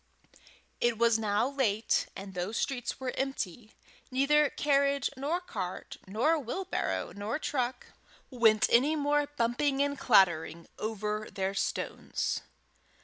It was now late, and those streets were empty; neither carriage nor cart, wheelbarrow nor truck, went any more bumping and clattering over their stones.